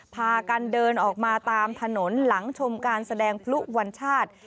พากันเดินออกมาตามถนนหลังชมการแสดงพลุวัญชาติ